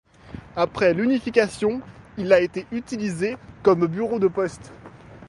Après l'unification il a été utilisé comme bureau de poste.